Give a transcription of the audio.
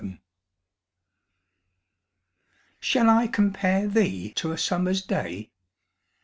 18 Shall I compare thee to a summer's day?